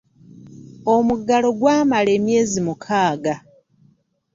Omuggalo gwamala emyezi mukaaga.